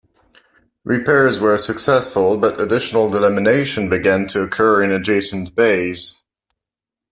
Repairs were successful, but additional delamination began to occur in adjacent bays.